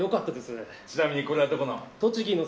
ちなみに、これはどこの？